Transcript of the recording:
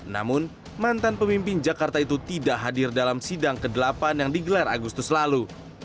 namun mantan pemimpin jakarta itu tidak hadir dalam sidang ke delapan yang digelar agustus lalu